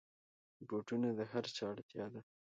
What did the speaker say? بوټونه د هرچا اړتیا ده.